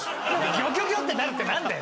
「ギョギョギョ！ってなる」ってなんだよ？